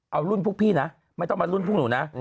เอารุ่นพวกพี่นะไม่ต้องมารุ่นพวกหนูนะ